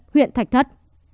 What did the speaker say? huyện thạch thất